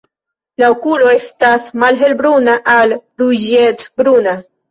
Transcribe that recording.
La okulo estas malhelbruna al ruĝecbruna.